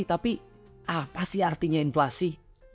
tapi apa sih artinya inflasi